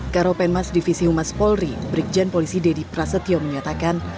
karopenmas divisi humas polri brikjen polisi deddy prasetyo menyatakan